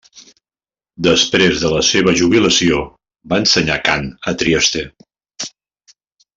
Després de la seva jubilació, va ensenyar cant a Trieste.